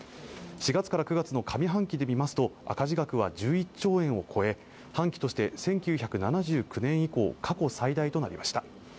４月から９月の上半期で見ますと赤字額は１１兆円を超え半期として１９７９年以降過去最大となりました